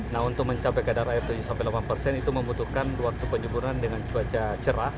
nah untuk mencapai kadar air tujuh sampai delapan persen itu membutuhkan waktu penyemburan dengan cuaca cerah